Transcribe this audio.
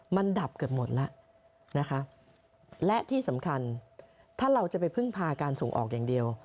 มันดับเกือบหมดแล้วนะคะและที่สำคัญถ้าเราจะไปพึ่งพาการส่งออกอย่างเดียว